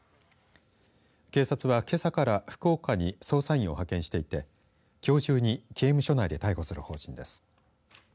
警察は、けさから福岡に捜査員を派遣していてきょう中に刑務所内で逮捕する方針です。